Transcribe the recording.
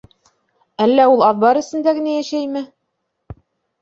Әллә ул аҙбар эсендә генә йәшәйме?